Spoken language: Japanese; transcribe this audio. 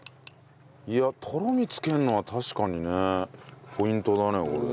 いやとろみつけるのは確かにねポイントだねこれ。